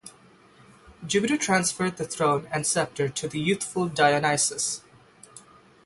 Jupiter transferred the throne and scepter to the youthful Dionysus.